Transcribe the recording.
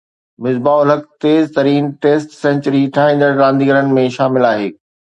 مصباح الحق تيز ترين test century ٺاهيندڙ رانديگرن ۾ شامل آهي